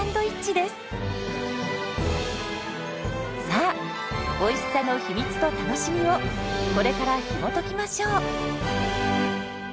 さあおいしさの秘密と楽しみをこれからひもときましょう！